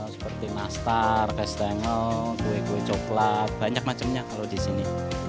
seperti nastar kastengel kue kue coklat banyak macamnya kalau di sini